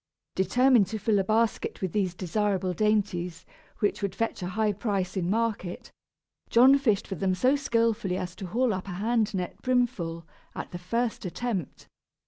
Determined to fill a basket with these desirable dainties, which would fetch a high price in market, John fished for them so skilfully as to haul up a hand net brimful, at the first attempt.